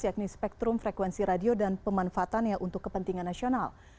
yakni spektrum frekuensi radio dan pemanfaatannya untuk kepentingan nasional